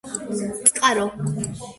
წყარო